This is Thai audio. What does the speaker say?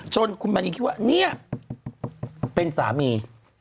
จนคุณบัญญีคิดว่านี่เป็นสามี